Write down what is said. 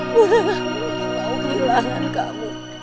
bunda gak mau kehilangan kamu